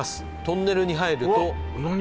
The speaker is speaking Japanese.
トンネルに入るとうわ